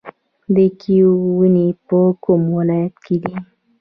د کیوي ونې په کوم ولایت کې دي؟